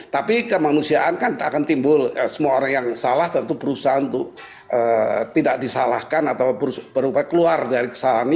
tapi kemanusiaan kan akan timbul semua orang yang salah tentu berusaha untuk tidak disalahkan atau berupaya keluar dari kesalahan ini